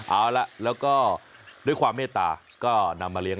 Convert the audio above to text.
เอาละแล้วก็ด้วยความเมตตาก็นำมาเลี้ย